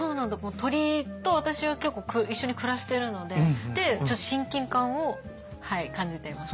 鳥と私は一緒に暮らしてるのでちょっと親近感を感じています。